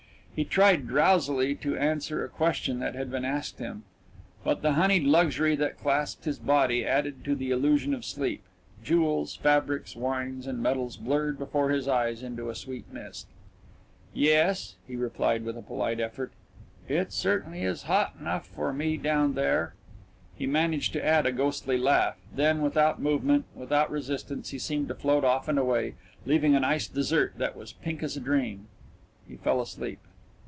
He tried drowsily to answer a question that had been asked him, but the honeyed luxury that clasped his body added to the illusion of sleep jewels, fabrics, wines, and metals blurred before his eyes into a sweet mist .... "Yes," he replied with a polite effort, "it certainly is hot enough for me down there." He managed to add a ghostly laugh; then, without movement, without resistance, he seemed to float off and away, leaving an iced dessert that was pink as a dream .... He fell asleep.